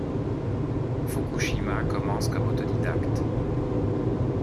Fukushima commence comme autodidacte.